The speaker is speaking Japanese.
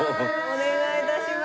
お願い致します。